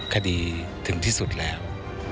คดีถึงที่สุดแล้ว